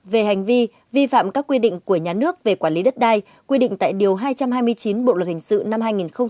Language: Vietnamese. về hành vi vi phạm các quy định của nhà nước về quản lý đất đai quy định tại điều hai trăm hai mươi chín bộ luật hình sự năm hai nghìn một mươi năm